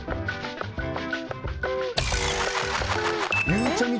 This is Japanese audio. ゆうちゃみ